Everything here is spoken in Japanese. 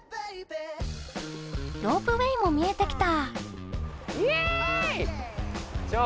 ロープウェイも見えてきた。